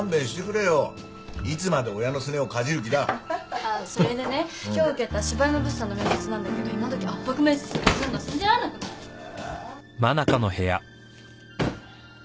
ああそれでね今日受けた柴山物産の面接なんだけど今どき圧迫面接とかすんの信じられなくない？え？